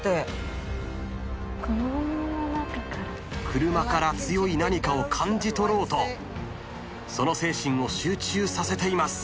車から強い何かを感じ取ろうとその精神を集中させています。